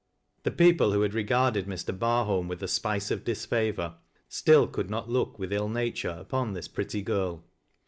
The people who had regarded Mr. Barholm with a epice of disfavor, still could not look with ill nature upon this pretty girl.